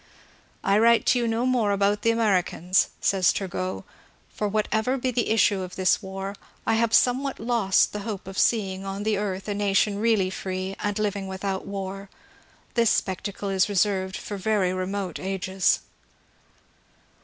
*' I write you no more about the Americans," says Turgot ;^^ for whatever be the issue of this war, I have somewhat lost the hope of seeing on the earth a nation really free, and living without war. This spectacle is reserved for very remote ages."